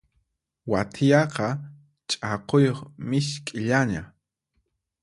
Wathiyaqa ch'akuyuq misk'illana.